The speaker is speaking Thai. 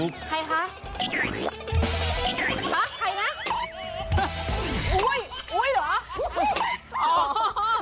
อุ้ยอุ้ยเหรอ